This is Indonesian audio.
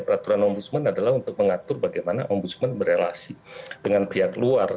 peraturan om busman adalah untuk mengatur bagaimana om busman berrelasi dengan pihak luar